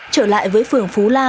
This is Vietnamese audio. trở lại với phường phú la